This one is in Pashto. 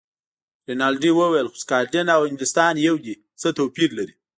رینالډي وویل: خو سکاټلنډ او انګلیستان یو دي، څه توپیر لري.